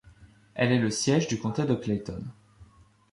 Elle est le siège du comté de Clayton.